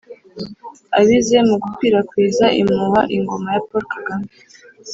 abize mu gukwirakwiza impuha ingoma ya paul kagame